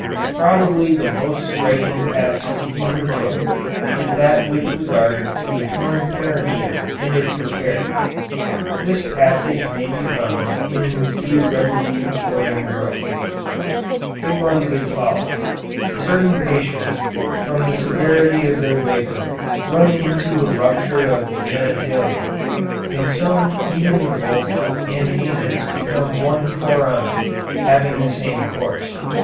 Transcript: Probably the most striking passage in her book is that with regard to a torn perineum and its repair. This passage may be found in De Renzi or in Gurlt. It runs as follows: "Certain patients, from the severity of the labor, run into a rupture of the genitalia. In some even the vulva and anus become one foramen, having the same course.